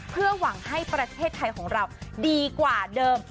เพื่อหวังให้ประเทศไทยของเราดีกว่าเดิม